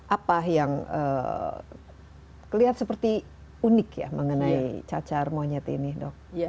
apa yang kelihatan seperti unik ya mengenai cacar monyet ini dok